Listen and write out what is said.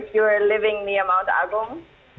terutama jika anda mengalami berat agung